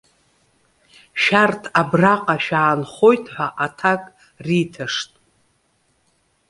Шәарҭ абраҟа шәаанхоит ҳәа аҭак риҭашт.